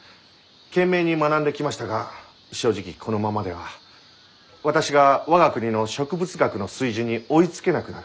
懸命に学んできましたが正直このままでは私が我が国の植物学の水準に追いつけなくなる。